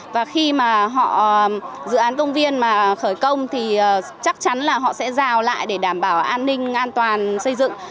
và khi mà họ dự án công viên mà khởi công thì chắc chắn là họ sẽ rào lại để đảm bảo an ninh an toàn xây dựng